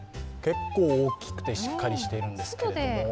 結構大きくてしっかりしているんですけれども。